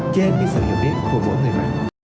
trên cái sự hiểu biết của mỗi người mình